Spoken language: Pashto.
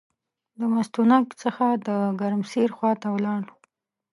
د مستونګ څخه د ګرمسیر خواته ولاړ.